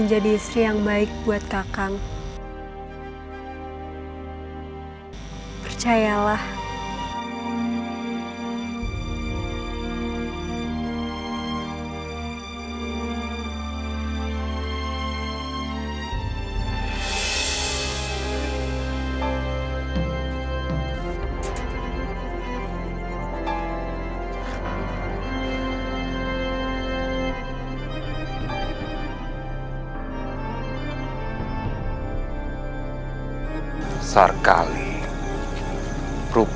nyai gak akan tahu